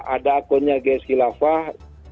ada akunnya g s kilafah